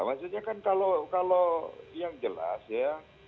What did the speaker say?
maksudnya kan kalau yang jelas ya